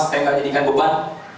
saya tidak jadikan beban